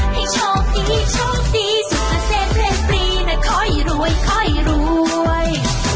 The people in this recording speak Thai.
ให้ช่องดีช่องดีสุขเสพเฟรดบรีน่ะคอยรวยคอยรวย